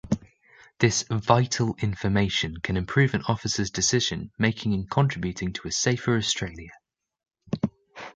This vital information can improve an officer's decision-making and contribute to a safer Australia.